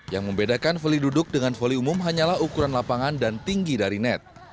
yang membedakan volley duduk dengan volley umum hanyalah ukuran lapangan dan tinggi dari net